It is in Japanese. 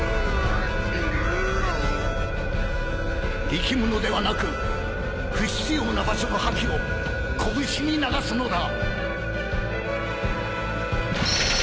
力むのではなく不必要な場所の覇気を拳に流すのだ